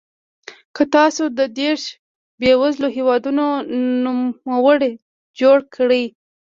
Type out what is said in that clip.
که تاسو د دېرش بېوزلو هېوادونو نوملړ جوړ کړئ.